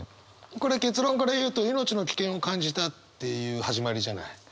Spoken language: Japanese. これ「結論から言うと、命の危険を感じた」っていう始まりじゃない。